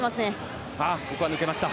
ここは抜けました。